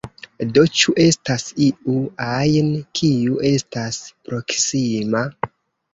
Do, ĉu estas iu ajn, kiu estas proksima?